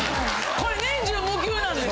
これ年中無休なんです。